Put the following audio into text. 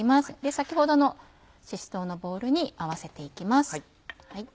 先ほどのしし唐のボウルに合わせて行きます。